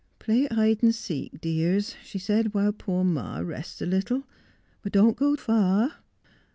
' Play at hide and seek, dears,' she said, ' while poor ma rests a little. But don't go far.'